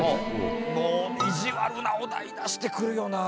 もう意地悪なお題出してくるよなという。